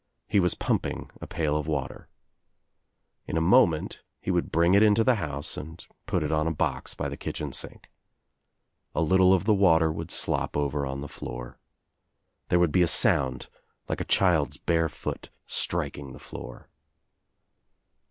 He was pumping a pa!I of water. In a mflment he would bring it Into the house and put it on a box by the kitchen sink. A little of the water would slop over on the floor. There would be a sound like a child's bare foot striking the floor.